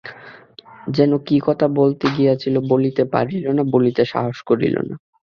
যেন কী কথা বলিতে গিয়াছিল, বলিতে পারিল না, বলিতে সাহস করিল না।